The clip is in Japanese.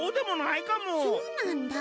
そうなんだ。